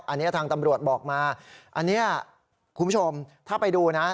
อันนี้ทางตำรวจบอกมาอันนี้คุณผู้ชมถ้าไปดูนะ